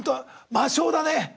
魔性だね。